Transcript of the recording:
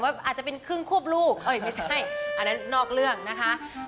อาจจะเป็นครึ่งควบลูกไม่ใช่อันนั้นนอกเรื่องนะคะ